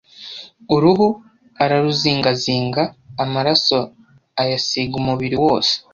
Uruhu araruzingazinga amaraso ayisiga umubiri wose